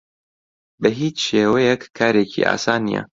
بە هیچ شێوەیەک کارێکی ئاسان نییە.